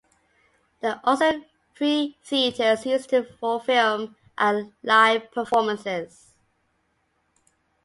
There are also three theaters used for film and live performances.